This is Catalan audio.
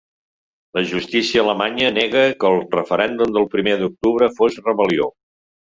La justícia alemanya nega que el referèndum del primer d’octubre fos rebel·lió.